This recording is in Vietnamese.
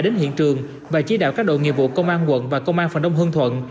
đến hiện trường và chỉ đạo các đội nghiệp vụ công an quận và công an phường đông hương thuận